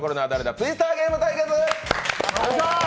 ツイスターゲーム対決！」